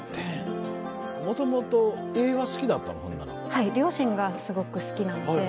はい両親がすごく好きなので。